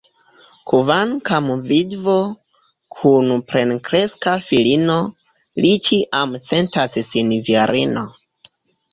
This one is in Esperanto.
Kvankam vidvo, kun plenkreska filino, li ĉiam sentas sin virino.